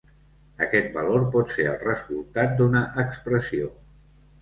Aquest valor pot ser el resultat d'una expressió.